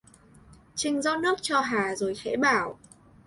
Chinh rót nước cho Hà rồi khẽ bảo